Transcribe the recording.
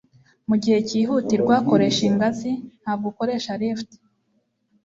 mugihe cyihutirwa, koresha ingazi, ntabwo ukoresha lift